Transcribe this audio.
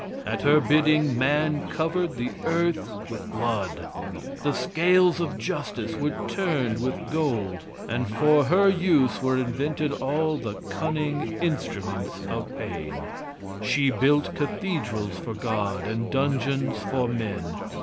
At her bidding, man covered the earth with blood. The scales of justice were turned with gold, and for her use were invented all the cunning instruments of pain. She built cathedrals for God, and dungeons for men.